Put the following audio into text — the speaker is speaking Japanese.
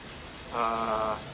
あ。